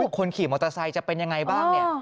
คนขี่มอเตอร์ไซค์จะเป็นยังไงบ้างเนี่ย